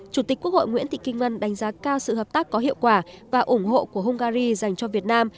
chủ tịch quốc hội nguyễn thị kim ngân đánh giá cao sự hợp tác có hiệu quả và ủng hộ của hungary dành cho việt nam